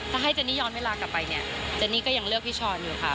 ถ้าให้เจนนี่ย้อนเวลากลับไปเนี่ยเจนนี่ก็ยังเลือกพี่ช้อนอยู่ค่ะ